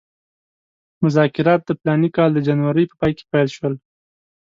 مذاکرات د فلاني کال د جنورۍ په پای کې پیل شول.